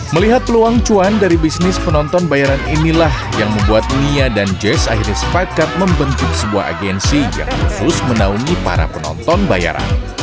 melihat peluang cuan dari bisnis penonton bayaran inilah yang membuat nia dan jazz akhirnya sepakat membentuk sebuah agensi yang khusus menaungi para penonton bayaran